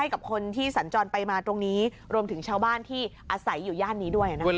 กับคนที่สัญจรไปมาตรงนี้รวมถึงชาวบ้านที่อาศัยอยู่ย่านนี้ด้วยนะคะ